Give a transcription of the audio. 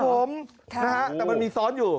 ผมนะฮะแต่มันมีซ้อนอยู่